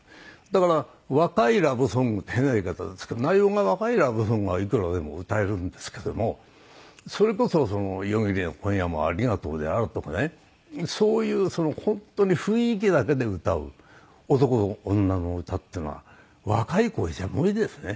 だから若いラブソングって変な言い方ですけど内容が若いラブソングはいくらでも歌えるんですけどもそれこそ『夜霧よ今夜も有難う』であるとかそういう本当に雰囲気だけで歌う男と女の歌っていうのは若い声じゃ無理ですね。